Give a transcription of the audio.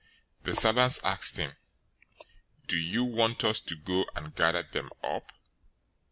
"The servants asked him, 'Do you want us to go and gather them up?'